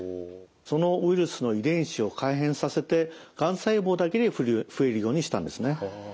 そのウイルスの遺伝子を改変させてがん細胞だけに増えるようにしたんですね。